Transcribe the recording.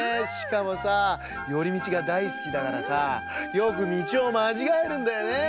しかもさよりみちがだいすきだからさよくみちをまちがえるんだよね！